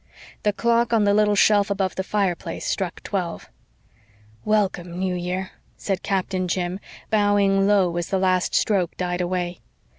The clock on the little shelf above the fireplace struck twelve. "Welcome, New Year," said Captain Jim, bowing low as the last stroke died away.